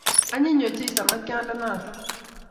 anyiny ochei samakyandenata